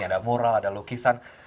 ada mural ada lukisan